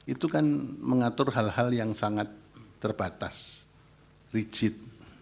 itu kan mengatur hal hal yang sangat terbatas rigid